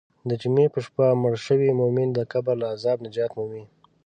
د جمعې په شپه مړ شوی مؤمن د قبر له عذابه نجات مومي.